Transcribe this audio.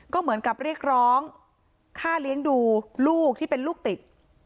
ก็เหมือนกับเรียกร้องค่าเลี้ยงดูลูกที่เป็นลูกติด